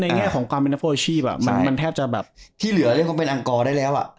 ในแง่ของความเป็นภูมิชีแบบมันแทบจะแบบที่เหลือเรียกว่าเป็นอังกษ์ได้แล้วอ่ะ